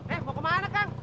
eh mau kemana kang